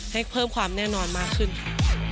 ให้เพิ่มความแน่นอนมากขึ้นค่ะ